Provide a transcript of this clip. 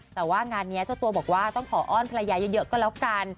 แต่ว่างานนี้เจ้าตัวบอกว่าต้องขออ้อนภรรยาเยอะก็แล้วกัน